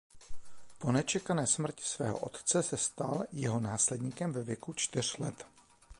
Po nečekané smrti svého otce se stal jeho následníkem ve věku čtyř let.